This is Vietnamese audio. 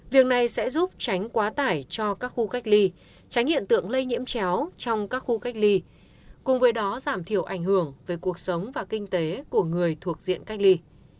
việc này sẽ giúp tránh quá tải cho các khu cách ly tránh hiện tượng lây nhiễm chéo trong các khu cách ly cùng với đó giảm thiểu ảnh hưởng về cuộc sống và kinh tế của người thuộc diện cách ly